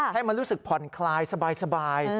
ให้มันรู้สึกผ่อนคลายสบาย